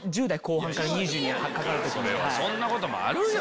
そんなこともあるよ。